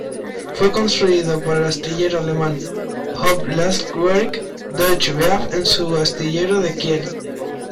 Fue construido por el astillero alemán Howaldtswerke-Deutsche Werft en su astillero de Kiel.